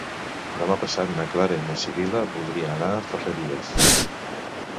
Demà passat na Clara i na Sibil·la voldrien anar a Ferreries.